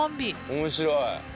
面白い！